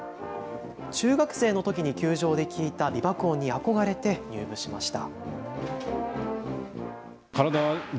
中学生のときに球場で聞いた美爆音に憧れて入部しました。